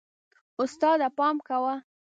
استاده، پام کوه.